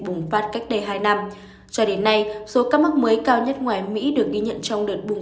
bùng phát cách đây hai năm cho đến nay số ca mắc mới cao nhất ngoài mỹ được ghi nhận trong đợt bùng